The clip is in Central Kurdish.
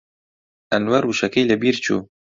ئەنوەر وشەکەی لەبیر چوو.